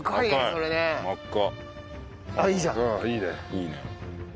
いいね。